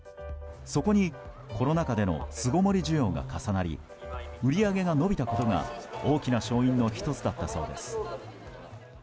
そこに、コロナ禍での巣ごもり需要が重なり売り上げが伸びたことが大きな勝因の１つだったそうです。